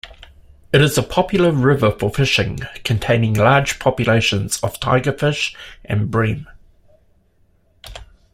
It is a popular river for fishing, containing large populations of tigerfish and bream.